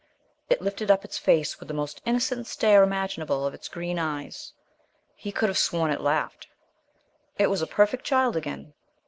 It lifted up its face with the most innocent stare imaginable of its green eyes. He could have sworn it laughed. It was a perfect child again.